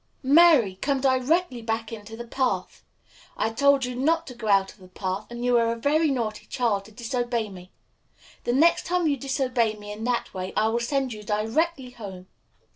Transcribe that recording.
Mary! come directly back into the path. I told you not to go out of the path, and you are a very naughty child to disobey me. The next time you disobey me in that way I will send you directly home."